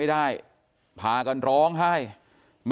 กลุ่มตัวเชียงใหม่